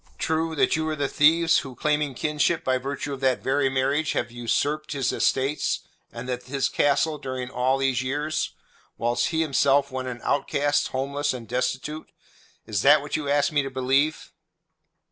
True that you are the thieves who claiming kinship by virtue of that very marriage have usurped his estates and this his castle during all these years, whilst he himself went an outcast, homeless and destitute? Is that what you ask me to believe?"